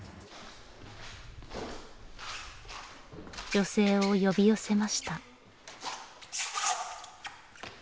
女性を呼び寄せました。